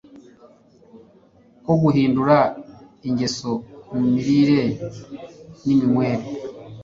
ko guhindura ingeso mu mirire niminywere